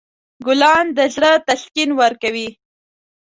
ګلان د زړه تسکین ورکوي.